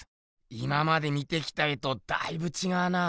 今まで見てきた絵とだいぶちがうな。